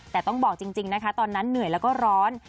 แต่ต้องบอกจริงนะคะตอนนั้นเหนื่อยแล้วก็ร้อน